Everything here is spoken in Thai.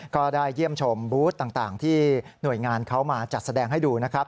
ก็ได้เยี่ยมชมบูธต่างที่หน่วยงานเขามาจัดแสดงให้ดูนะครับ